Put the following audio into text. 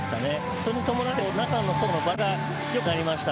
それに伴って中と外のバランスがよくなりました。